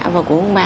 và của ông bà